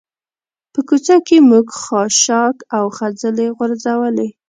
په کوڅه کې موږ خاشاک او خځلې غورځولي.